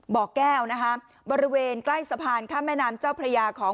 บ่อแก้วนะคะบริเวณใกล้สะพานข้ามแม่น้ำเจ้าพระยาของ